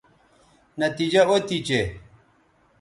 نتیجہ او تھی چہء